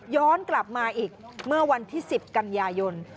ย้อนกลับมาอีกเมื่อวันที่๑๐กันยายน